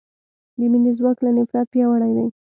د مینې ځواک له نفرت پیاوړی دی.